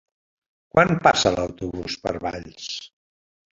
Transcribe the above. Quan passa l'autobús per Valls?